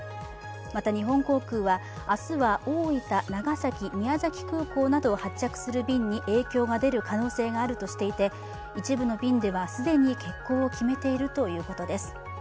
また日本航空は明日は大分、長崎、宮崎空港などを発着する便に影響が出る可能性があるとしていて一部の便では既に欠航を決めているということです。